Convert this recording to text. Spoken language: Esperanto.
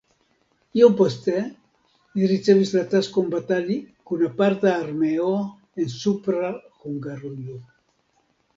Iom poste li ricevis la taskon batali kun aparta armeo en Supra Hungarujo.